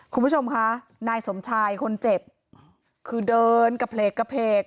คุณผู้ชมคะนายสมชายคนเจ็บคือเดินกระเพลกกระเพลก